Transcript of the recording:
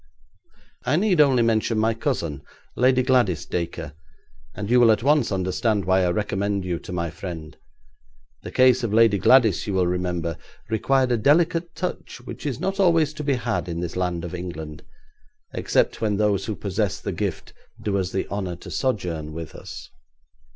'I need only mention my cousin, Lady Gladys Dacre, and you will at once understand why I recommended you to my friend. The case of Lady Gladys, you will remember, required a delicate touch which is not always to be had in this land of England, except when those who possess the gift do us the honour to sojourn with us.'